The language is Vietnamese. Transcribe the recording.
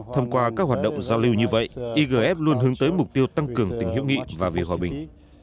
thông qua các hoạt động giao lưu như vậy igf luôn hướng tới mục tiêu tăng cường tình hữu nghị và vì hòa bình